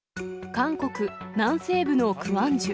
韓国南西部のクァンジュ。